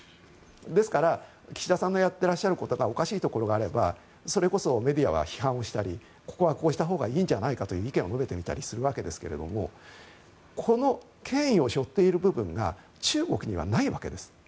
ですから岸田さんのやっていることがおかしいところがあればそれこそメディアは批判をしたりここはこうしたほうがいいんじゃないかという意見を述べてみたりするわけですがこの権威をしょっている部分が中国にはないわけです。